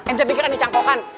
ente pikir ini cangkokan